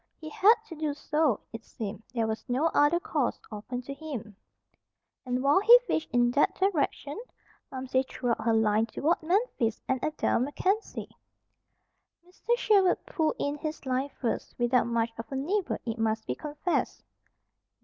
He had to do so, it seemed. There was no other course open to him. And while he fished in that direction, Momsey threw out her line toward Memphis and Adair MacKenzie. Mr. Sherwood pulled in his line first, without much of a nibble, it must be confessed.